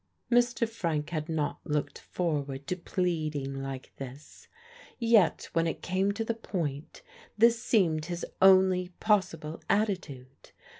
Mr. Frank had not looked forward to pleading like this; yet when it came to the point this seemed his only possible attitude.